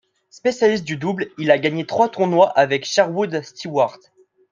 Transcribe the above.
Spécialiste du double, il a gagné trois tournois avec Sherwood Stewart.